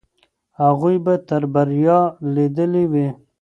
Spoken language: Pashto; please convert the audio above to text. هغوی به بریا لیدلې وي.